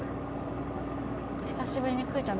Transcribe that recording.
久しぶりにくーちゃん